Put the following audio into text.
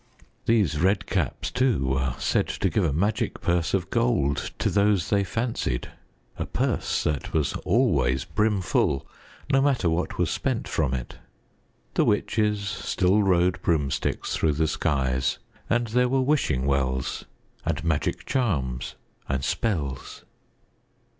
These Red Caps too were said to give a magic purse of gold to those they fancied, a purse that was always brimful no matter what was spent from it. The witches still rode broomsticks through the skies and there were wishing wells and magic charms and spells.